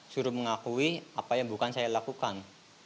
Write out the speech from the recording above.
suruh mengakui apa yang bukan saya lakukan